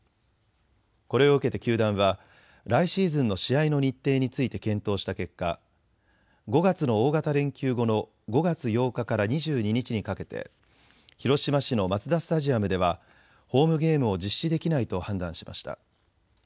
これを受けて球団は来シーズンの試合の日程について検討した結果、５月の大型連休後の５月８日から２２日にかけて広島市のマツダスタジアムではホームゲームを実施できないと判断しました。